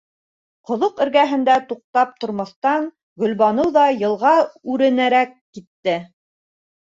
Ҡоҙоҡ эргәһендә туҡтап тормаҫтан, Гөлбаныу ҙа йылға үренәрәк китте.